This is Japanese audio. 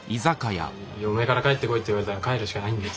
嫁から帰ってこいって言われたら帰るしかないんだよ。